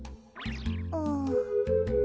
うん。